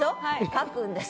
書くんです。